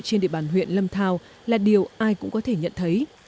trên địa bàn huyện lâm thao là điều ai cũng có thể nhận thấy